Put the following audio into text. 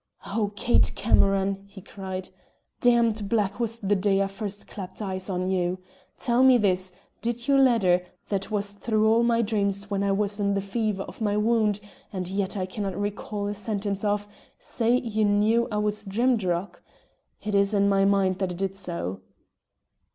"Oh, Kate Cameron," he cried, "damned black was the day I first clapt eyes on you! Tell me this, did your letter, that was through all my dreams when I was in the fever of my wound, and yet that I cannot recall a sentence of, say you knew I was Drimdarroch? It is in my mind that it did so."